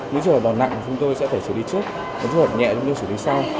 những trường hợp đó nặng chúng tôi sẽ phải xử lý trước những trường hợp nhẹ chúng tôi xử lý sau